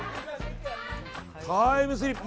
タイムスリップ。